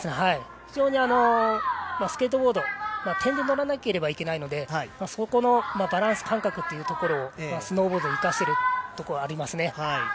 非常にスケートボード点で乗らなければいけないのでそこのバランス感覚というところを、スノーボードに生かしているところはありますね。